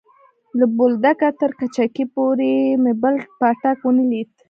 له بولدکه تر کجکي پورې مې بل پاټک ونه ليد.